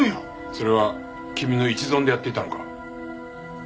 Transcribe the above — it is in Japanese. それは君の一存でやっていたのか？